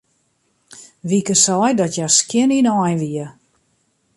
Wieke sei dat hja skjin ynein wie.